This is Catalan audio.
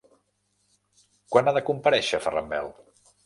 Quan ha de comparèixer Ferran Bel?